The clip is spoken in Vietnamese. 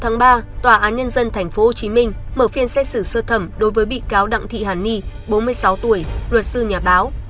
ngày ba tòa án nhân dân tp hcm mở phiên xét xử sơ thẩm đối với bị cáo đặng thị hàn ni bốn mươi sáu tuổi luật sư nhà báo